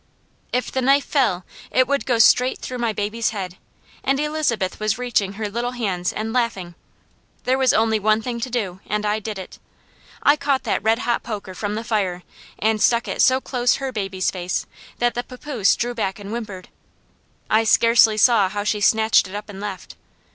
"If the knife fell, it would go straight through my baby's head, and Elizabeth was reaching her little hands and laughing. There was only one thing to do, and I did it. I caught that red hot poker from the fire, and stuck it so close her baby's face, that the papoose drew back and whimpered. I scarcely saw how she snatched it up and left.